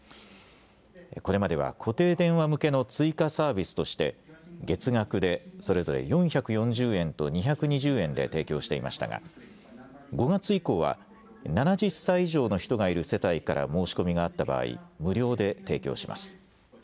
これまでは固定電話向けの追加サービスとして月額でそれぞれ４４０円と２２０円で提供していましたが５月以降は７０歳以上の人がいる世帯から申し込みがあった場合、無料で提供します。